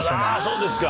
そうですか。